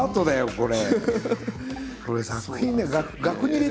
これ？